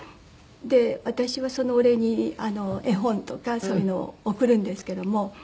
私はそのお礼に絵本とかそういうのを贈るんですけども。